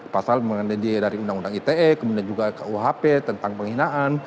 pasal mengenai dari undang undang ite kemudian juga kuhp tentang penghinaan